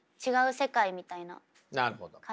なるほど。